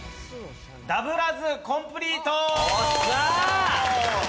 ダブらずコンプリート！